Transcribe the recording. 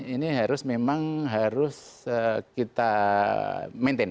ini memang harus kita maintain